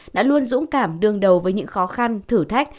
đã luôn dũng cảm đương đầu với những khó khăn thử thách